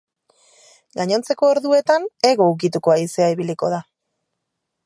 Gainontzeko orduetan hego-ukituko haizea ibiliko da.